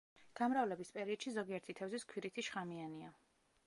გამრავლების პერიოდში ზოგიერთი თევზის ქვირითი შხამიანია.